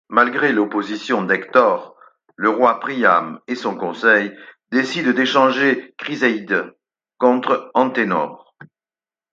Malgré l'opposition d'Hector, le roi Priam et son conseil décident d'échanger Criseyde contre Anténor.